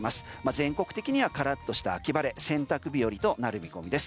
全国的にはからっとした秋晴れ洗濯日和となる見込みです。